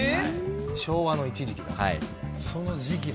昭和の一時期だ。